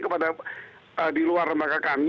kepada di luar lembaga kami